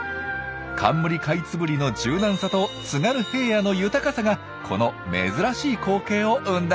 カンムリカイツブリの柔軟さと津軽平野の豊かさがこの珍しい光景を生んだんです。